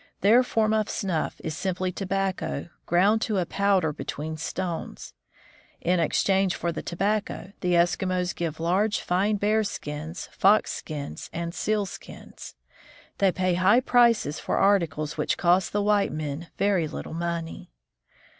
Their form of snuff is simply tobacco, ground to a powder between stones. In exchange for the tobacco, the Eskimos give large, fine bearskins, foxskins, and sealskins. They pay high prices for articles which cost the white men very little money.